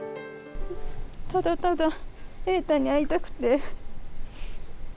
ただただ、瑛大に会いたくて。